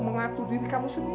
mengatur diri kamu sendiri